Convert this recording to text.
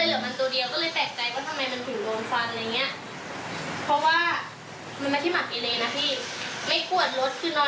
อืมแต่ว่าทำไมมันถึงโดนก็ไม่รู้อ่ะ